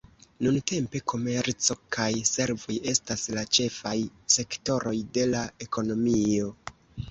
Nuntempe komerco kaj servoj estas la ĉefaj sektoroj de la ekonomio.